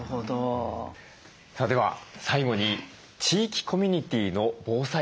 さあでは最後に地域コミュニティーの防災力について見ていきます。